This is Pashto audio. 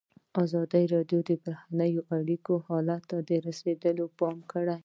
ازادي راډیو د بهرنۍ اړیکې حالت ته رسېدلي پام کړی.